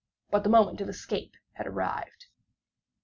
But the moment of escape had arrived.